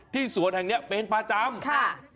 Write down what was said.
ที่สวนแห่งแบบนี้ไปเห็นประจำ